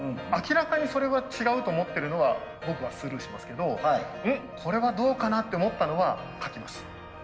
明らかにそれは違うと思ってるのは僕はスルーしますけど「うん？これはどうかな」って思ったのは書きます。